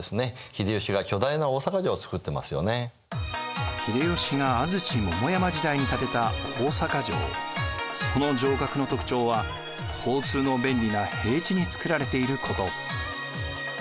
秀吉が安土桃山時代に建てたその城郭の特徴は交通の便利な平地に造られていること。